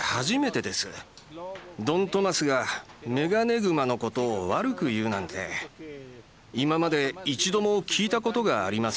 ドン・トマスがメガネグマのことを悪く言うなんて今まで一度も聞いたことがありません。